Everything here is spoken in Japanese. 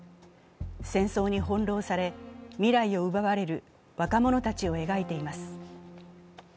戦争に翻弄され、未来を奪われる若者たちを描いています。